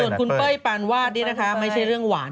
ส่วนคุณเป้ยปานวาดนี่นะคะไม่ใช่เรื่องหวาน